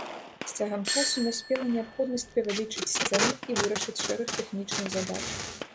З цягам часу наспела неабходнасць павялічыць сцэну і вырашыць шэраг тэхнічных задач.